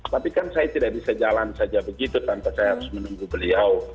tapi kan saya tidak bisa jalan saja begitu tanpa saya harus menunggu beliau